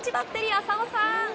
浅尾さん！